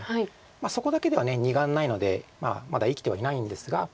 そこだけでは２眼ないのでまだ生きてはいないんですが。